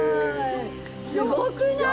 すごくない？